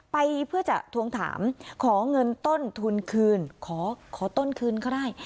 ไปเพื่อจะทวงถามขอเงินต้นทุนคืนขอต้นคืนก็ได้